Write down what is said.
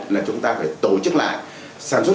là chúng ta phải tổ chức lại sản xuất